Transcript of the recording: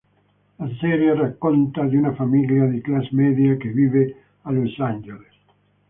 La serie racconta di una famiglia di classe media che vive a Los Angeles.